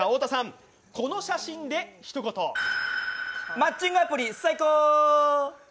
マッチングアプリ、最高！